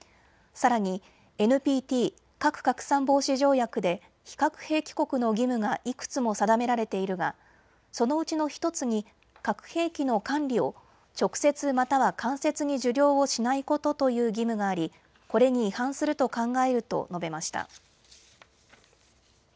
さらにＮＰＴ・核拡散防止条約で非核兵器国の義務がいくつも定められているがそのうちの１つに核兵器の管理を直接または間接に受領をしないことという義務がありこれに違反すると考えると述べました。